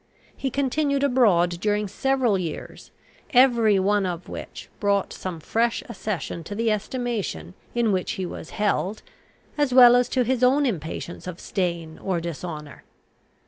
He continued abroad during several years, every one of which brought some fresh accession to the estimation in which he was held, as well as to his own impatience of stain or dishonour.